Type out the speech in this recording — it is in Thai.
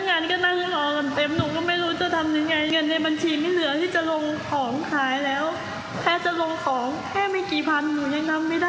เงินในบัญชีไม่เหลือที่จะลงของขายแล้วแค่จะลงของแค่ไม่กี่พัน